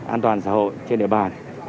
an toàn xã hội trên địa bàn